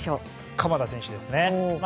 鎌田選手ですね。